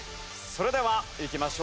それではいきましょう。